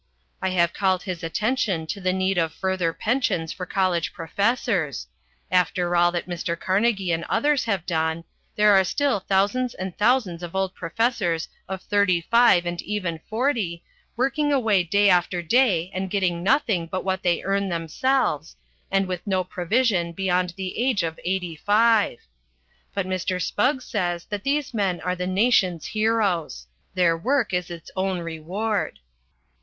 I have called his attention to the need of further pensions for college professors; after all that Mr. Carnegie and others have done, there are still thousands and thousands of old professors of thirty five and even forty, working away day after day and getting nothing but what they earn themselves, and with no provision beyond the age of eighty five. But Mr. Spugg says that these men are the nation's heroes. Their work is its own reward.